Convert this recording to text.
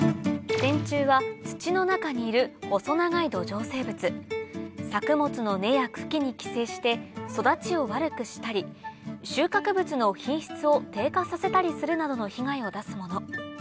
センチュウは土の中にいる細長い土壌生物作物の根や茎に寄生して育ちを悪くしたり収穫物の品質を低下させたりするなどの被害を出すもの